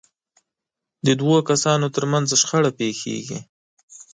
د دوو کسانو ترمنځ شخړه پېښېږي.